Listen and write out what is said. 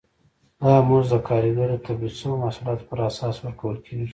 دا مزد د کارګر د تولید شویو محصولاتو پر اساس ورکول کېږي